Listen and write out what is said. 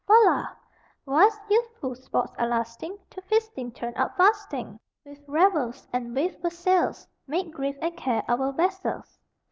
"Whilst youthful sports are lasting, to feasting turn our fasting: With revels and with wassails make grief and care our vassals, Fa la!"